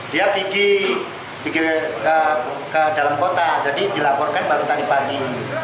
dia pikir ke dalam kota jadi dilaporkan baru tadi pagi